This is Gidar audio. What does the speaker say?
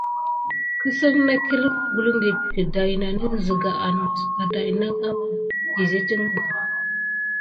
Kesine nà kirine mukulikine de dade nayany sika mis angula pan ama.